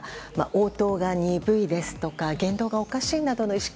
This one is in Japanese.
応答が鈍いですとか言動がおかしいなどの意識